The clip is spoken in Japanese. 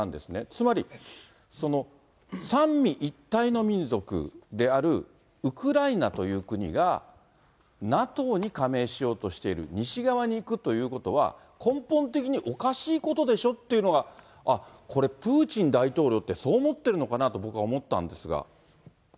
つまり、三位一体の民族であるウクライナという国が、ＮＡＴＯに加盟しようとしている、西側に行くということは、根本的におかしいことでしょっていうのが、あっ、これ、プーチン大統領って、そう思ってるのかなと僕は思ったんですが。